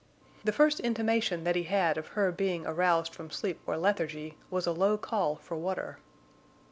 The first intimation that he had of her being aroused from sleep or lethargy was a low call for water.